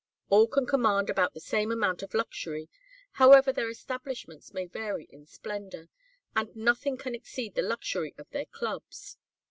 All can command about the same amount of luxury, however their establishments may vary in splendor. And nothing can exceed the luxury of their Clubs.